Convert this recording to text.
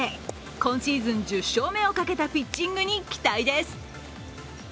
今シーズン１０勝目をかけたピッチングに期待です。